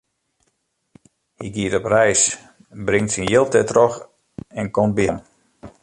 Hy giet op reis, bringt syn jild dertroch en komt by heit werom.